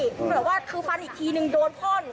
เผื่อว่าคือฟันอีกทีนึงโดนพ่อหนู